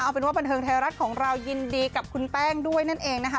เอาเป็นว่าบันเทิงไทยรัฐของเรายินดีกับคุณแป้งด้วยนั่นเองนะคะ